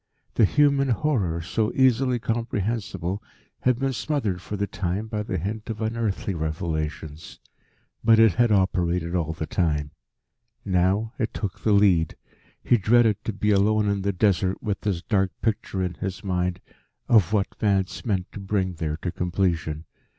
The human horror, so easily comprehensible, had been smothered for the time by the hint of unearthly revelations. But it had operated all the time. Now it took the lead. He dreaded to be alone in the Desert with this dark picture in his mind of what Vance meant to bring there to completion.